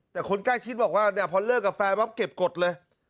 แต่คนใกล้ชิ้นบอกว่าพอเลิกกับแฟนเขาก็เก็บกฎเลย